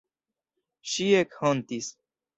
Ŝi ekhontis.